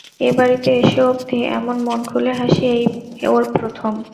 এ বাড়িতে এসে অবধি এমন মন খুলে হাসি এই ওর প্রথম।